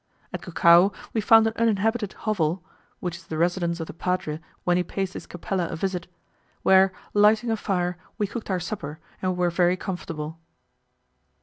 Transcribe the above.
At Cucao we found an uninhabited hovel (which is the residence of the padre when he pays this Capella a visit), where, lighting a fire, we cooked our supper, and were very comfortable.